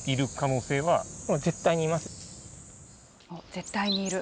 絶対にいる。